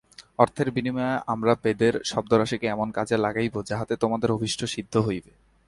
অর্থের বিনিময়ে আমরা বেদের শব্দরাশিকে এমন কাজে লাগাইব, যাহাতে তোমাদের অভীষ্ট সিদ্ধ হইবে।